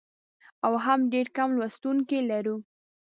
او هم ډېر کم لوستونکي لرو.